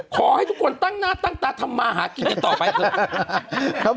ขอให้ทุกคนตั้งหน้าตั้งตาทำมาหากินกันต่อไปเถอะ